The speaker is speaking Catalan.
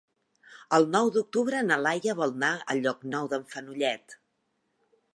El nou d'octubre na Laia vol anar a Llocnou d'en Fenollet.